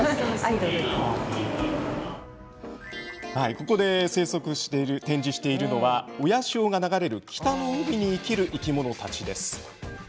ここで展示しているのは親潮が流れる北の海に生きる生き物たちです。